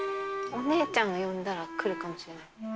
お姉ちゃんを呼んだら来るかもしれない。